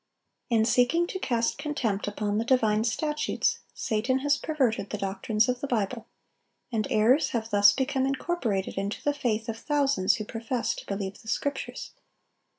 (1023) In seeking to cast contempt upon the divine statutes, Satan has perverted the doctrines of the Bible, and errors have thus become incorporated into the faith of thousands who profess to believe the Scriptures.